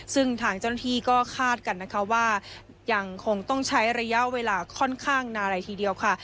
ซึ่งทางเจ้าหน้าที่ก็คาดกันนะคะว่ายังคงต้องใช้ระยะเวลาค่อนข้างนานเลยทีเดียวค่ะ